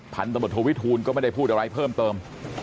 พันตำรวจโทวิทูลก็ไม่ได้พูดอะไรเพิ่มเติม